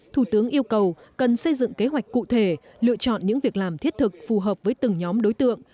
thủ tướng yêu cầu cần xây dựng kế hoạch cụ thể lựa chọn những việc làm thiết thực phù hợp với từng nhóm đối tượng